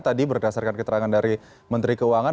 tadi berdasarkan keterangan dari menteri keuangan